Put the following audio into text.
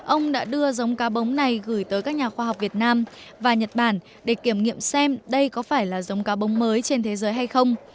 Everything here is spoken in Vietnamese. ông đã đưa giống cá bông này gửi tới các nhà khoa học việt nam và nhật bản để kiểm nghiệm xem đây có phải là giống cá bông mới trên thế giới hay không